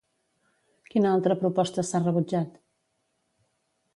Quina altra proposta s'ha rebutjat?